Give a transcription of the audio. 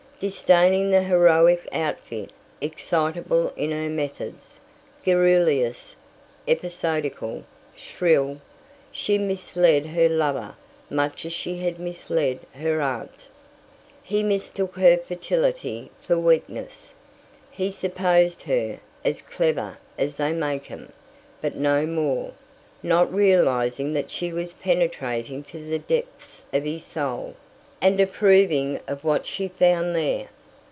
Disdaining the heroic outfit, excitable in her methods, garrulous, episodical, shrill, she misled her lover much as she had misled her aunt. He mistook her fertility for weakness. He supposed her "as clever as they make 'em," but no more, not realizing that she was penetrating to the depths of his soul, and approving of what she found there.